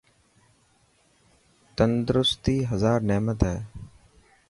تندرستي هزار نعمت هي.